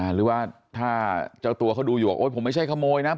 หรือว่าถ้าเจ้าตัวเขาดูอยู่ว่าโอ๊ยผมไม่ใช่ขโมยนะ